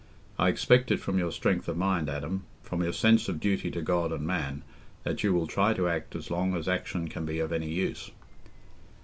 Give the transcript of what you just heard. I expect it from your strength of mind, Adam—from your sense of duty to God and man—that you will try to act as long as action can be of any use."